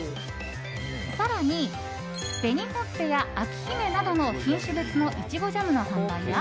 更に、紅ほっぺや章姫などの品種別のいちごジャムの販売や